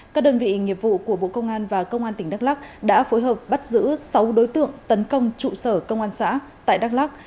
các đơn vị nghiệp vụ của bộ công an và công an tỉnh đắk lắc đã phối hợp bắt giữ sáu đối tượng tấn công trụ sở công an xã tại đắk lắc